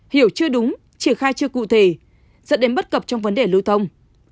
hiểu chưa đúng triển khai chưa cụ thể dẫn đến bất cập trong vấn đề lưu thông